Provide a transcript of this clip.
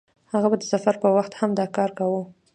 هغه به د سفر په وخت هم دا کار کاوه.